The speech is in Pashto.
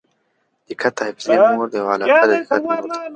دقت د حافظې مور دئ او علاقه د دقت مور ده.